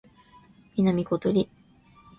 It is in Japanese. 南ことり